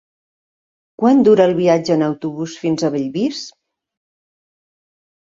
Quant dura el viatge en autobús fins a Bellvís?